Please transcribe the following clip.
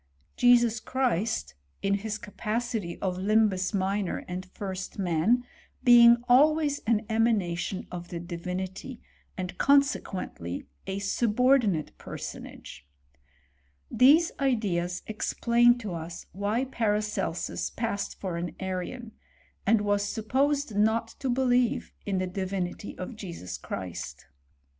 Jesus Christ, in his capacity of limhus minor and first man, being always an emanation of the Di* vinity ; and, consequently, a subordinate personage^ These ideas explain to us why Paracelsus passed for an Arian, and was supposed not to believe in the Di » vinity of Jesus Christ.